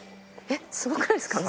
えっすごくないですか？